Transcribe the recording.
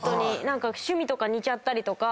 趣味とか似ちゃったりとか。